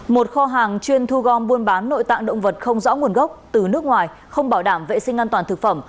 một kho hàng chuyên thu gom buôn bán nội tạng động vật không rõ nguồn gốc từ nước ngoài không bảo đảm vệ sinh an toàn thực phẩm